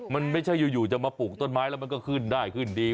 มันไม่ใช่อยู่จะมาปลูกต้นไม้แล้วมันก็ขึ้นได้ขึ้นดี